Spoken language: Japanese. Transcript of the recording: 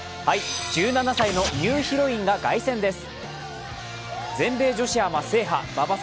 １７歳のニューヒロインが凱旋です。